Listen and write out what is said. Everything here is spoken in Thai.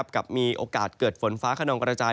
มีโอกาสเกิดฝนฟ้าขนองกระจาย